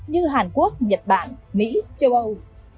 như hàn quốc nhật bản mỹ châu âu